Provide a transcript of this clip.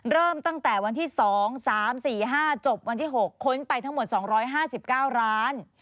เริ่มตั้งแต่วันที่๒๓๔๕จบวันที่๖ค้นไปทั้งหมด๒๕๙ล้าน